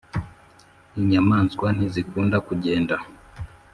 Inyamaswa ntizikunda kugenda.